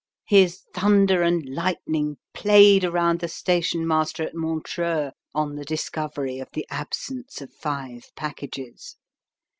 His thunder and lightning played around the station master at Montreux on the discovery of the absence of five packages.